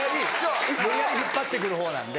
無理やり引っ張ってくる方なんで。